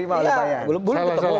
belum diterima oleh pak yan